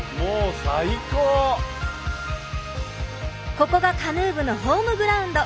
ここがカヌー部のホームグラウンド。